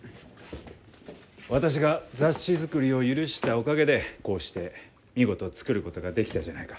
私が雑誌作りを許したおかげでこうして見事作ることができたじゃないか。